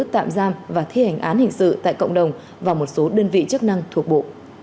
tạm giam và thi hành án hình sự tại cộng đồng và một số đơn vị chức năng thuộc bộ